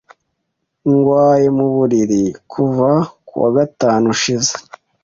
Ndwaye mu buriri kuva ku wa gatanu ushize.